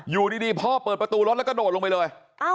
อยู่ดีพ่อเปิดประตูรถแล้วก็โดดลงไปเลย